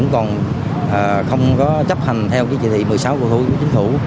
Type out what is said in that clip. còn không có chấp hành theo chí thị một mươi sáu của chính phủ